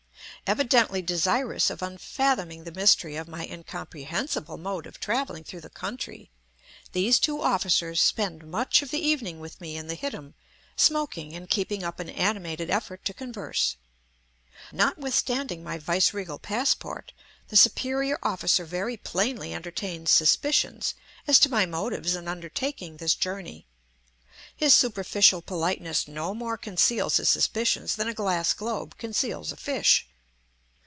Evidently desirous of unfathoming the mystery of my incomprehensible mode of travelling through the country, these two officers spend much of the evening with me in the hittim smoking and keeping up an animated effort to converse. Notwithstanding my viceregal passport, the superior officer very plainly entertains suspicions as to my motives in undertaking this journey; his superficial politeness no more conceals his suspicions than a glass globe conceals a fish.